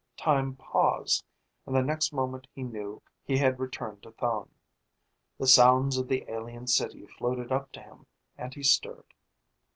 Time paused, and the next moment he knew he had returned to Thone. The sounds of the alien city floated up to him and he stirred.